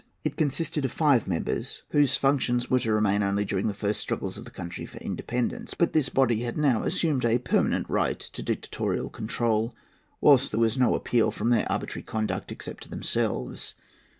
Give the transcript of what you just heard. It consisted of five members, whose functions were to remain only during the first struggles of the country for independence; but this body had now assumed a permanent right to dictatorial control, whilst there was no appeal from their arbitrary conduct, except to themselves.